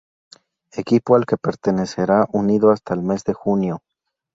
Equipo al que permanecerá unido hasta el mes de junio.